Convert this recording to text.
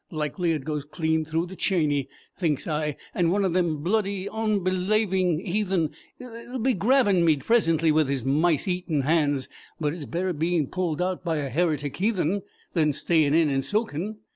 Likely it goes clean through to Chiny,' thinks I, 'and one of them bloody, onbelaving heathen 'll be grabbing me presently with his mice eating hands. But it's better being pulled out by a heretic heathen than staying in and soaking.'